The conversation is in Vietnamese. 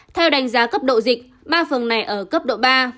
theo đánh giá cấp độ dịch ba phường này ở cấp độ ba